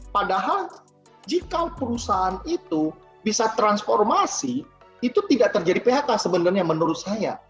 padahal jika perusahaan itu bisa transformasi itu tidak terjadi phk sebenarnya menurut saya